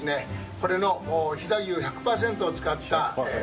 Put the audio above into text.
これの飛騨牛１００パーセントを使ったあーら。